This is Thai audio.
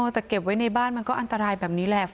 แต่เก็บไว้ในบ้านมันก็อันตรายแบบนี้แหละ